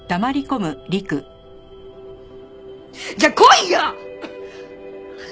じゃあ来いや！